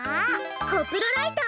コプロライト！